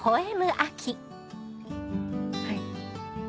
はい。